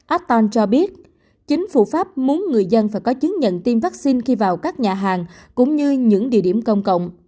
atton cho biết chính phủ pháp muốn người dân phải có chứng nhận tiêm vaccine khi vào các nhà hàng cũng như những địa điểm công cộng